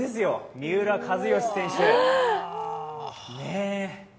三浦知良選手、ねえ。